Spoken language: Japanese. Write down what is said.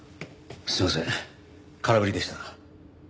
すいません空振りでした。